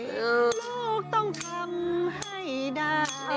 ลูกต้องทำให้ได้